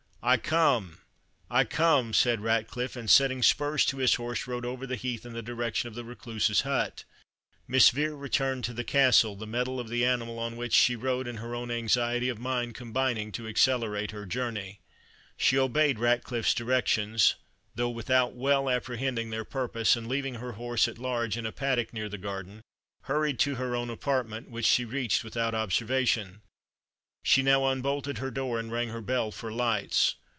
"I come, I come," said Ratcliffe; and setting spurs to his horse, rode over the heath in the direction of the Recluse's hut. Miss Vere returned to the castle, the mettle of the animal on which she rode, and her own anxiety of mind, combining to accelerate her journey. She obeyed Ratcliffe's directions, though without well apprehending their purpose, and leaving her horse at large in a paddock near the garden, hurried to her own apartment, which she reached without observation. She now unbolted her door, and rang her bell for lights.